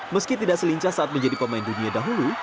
meski tidak selincah saat menjadi pemain dunia dahulu